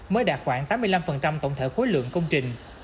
mới đạt khoảng tám mươi năm tổng thể khối lượng công trình